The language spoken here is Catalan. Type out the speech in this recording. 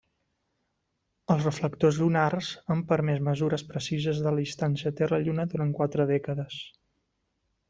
Els reflectors lunars han permès mesures precises de la distància Terra–Lluna durant quatre dècades.